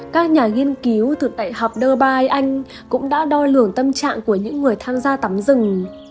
các nhà nghiên cứu thuộc đại học dubai anh cũng đã đo lường tâm trạng của những người tham gia tắm rừng